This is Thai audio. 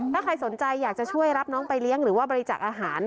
ถ้าใครสนใจอยากจะช่วยรับน้องไปเลี้ยงหรือว่าบริจาคอาหาร